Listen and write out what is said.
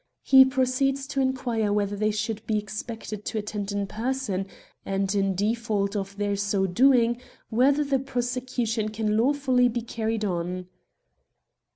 He proceeds to inquire whether they should be expected to attend in person, and, in default of their so doing, whether the prosecution can lawfully be carried on.